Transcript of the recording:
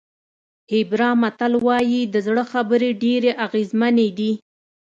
هېبرا متل وایي د زړه خبرې ډېرې اغېزمنې دي.